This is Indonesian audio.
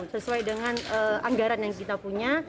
sesuai dengan anggaran yang kita punya